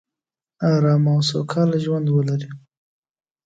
ارامه او سوکاله ژوندولري